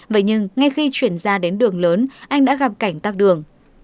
vậy nhưng ngay khi chuyển ra đến đường lớn anh đã gặp cảnh tắt đường